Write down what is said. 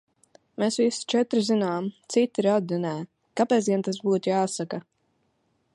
Mēs visi četri zinām, citi radi nē – kāpēc gan tas būtu jāsaka!?